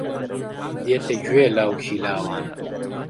دێتە گوێ لاوکی لاوان